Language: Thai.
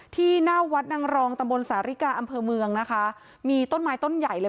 ที่หน้าวัดนางรองตำบลสาริกาอำเภอเมืองนะคะมีต้นไม้ต้นใหญ่เลย